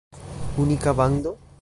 Unika bando?